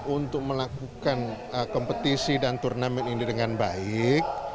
untuk melakukan kompetisi dan turnamen ini dengan baik